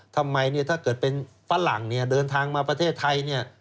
ทำไมถ้าเกิดเป็นฝรั่งเดินทางมาประเทศไทย